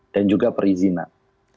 dan juga perizinan